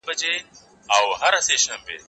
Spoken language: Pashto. دا انځورونه له هغه ښايسته دي،